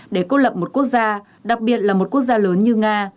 để cô lập một quốc gia đặc biệt là một quốc gia lớn như nga